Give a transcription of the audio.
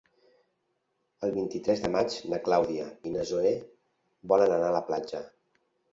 El vint-i-tres de maig na Clàudia i na Zoè volen anar a la platja.